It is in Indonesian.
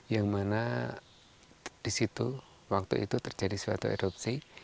yang mana di situ waktu itu terjadi suatu erupsi